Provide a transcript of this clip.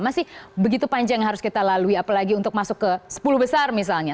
masih begitu panjang yang harus kita lalui apalagi untuk masuk ke sepuluh besar misalnya